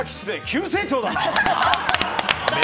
急成長だな！